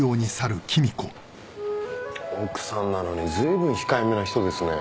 奥さんなのに随分控えめな人ですね。